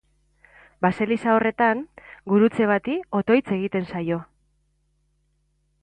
Baseliza horretan, gurutze bati otoitz egiten zaio.